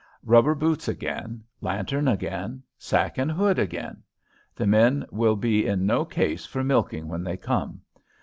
Rubber boots again, lantern again, sack and hood again. The men will be in no case for milking when they come.